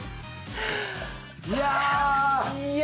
いや！